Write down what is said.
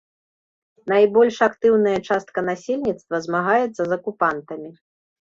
Найбольш актыўная частка насельніцтва змагаецца з акупантамі.